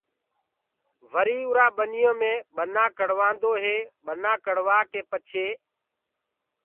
وري اُرآ ٻنيو مي ٻنآ ڪڙوآدو هي ٻنآ ڪڙوآڪي پڇي